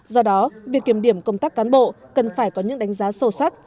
do đó việc kiểm điểm công tác cán bộ cần phải có những đánh giá sâu sắc